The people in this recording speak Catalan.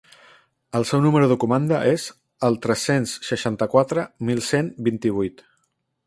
El seu número de comanda és el tres-cents seixanta-quatre mil cent vint-i-vuit.